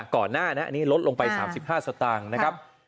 ก่อนหน้านี้ลดลงไป๓๕สตางค์นะครับ